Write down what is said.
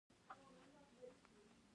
زه د شکر کښلو عادت لرم.